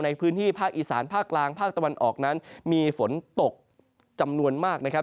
ในพื้นที่ภาคอีสานภาคกลางภาคตะวันออกนั้นมีฝนตกจำนวนมากนะครับ